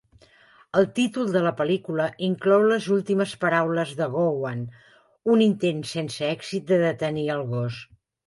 El títol de la pel·lícula inclou les últimes paraules de Gowan, un intent sense èxit de detenir el gos.